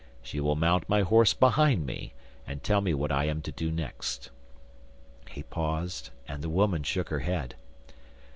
She will mount my horse behind me, and tell me what I am to do next.' He paused, and the woman shook her head.